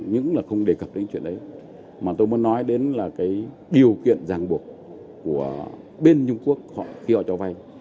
những lần không đề cập đến chuyện đấy mà tôi muốn nói đến là cái điều kiện giang buộc của bên trung quốc khi họ cho vay